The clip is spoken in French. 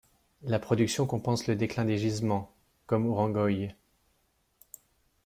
La production compense le déclin de gisements comme Ourengoï.